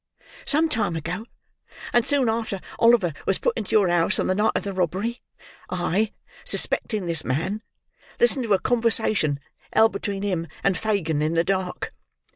Some time ago, and soon after Oliver was put into your house on the night of the robbery, I—suspecting this man—listened to a conversation held between him and Fagin in the dark.